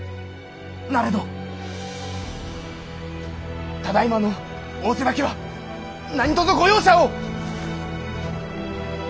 なれどただいまの仰せだけは何とぞご容赦を！